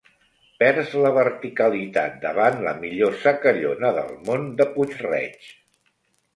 Perds la verticalitat davant la millor secallona del món, de Puig-reig.